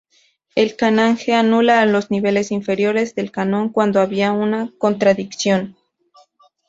El canon G anulaba a los niveles inferiores del canon cuando había una contradicción.